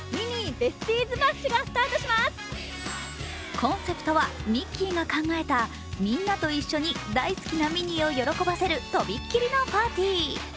コンセプトはミッキーが考えたみんなと一緒に大好きなミニーを喜ばせるとびっきりのパーティー。